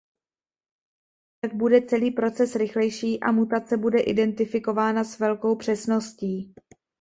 Tak bude celý proces rychlejší a mutace bude identifikována s velkou přesností.